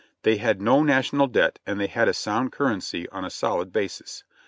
They had no national debt and they had a sound currency on a solid basis.